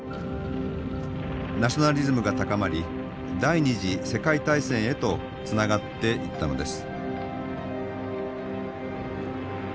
ナショナリズムが高まり第２次世界大戦へとつながっていったのです。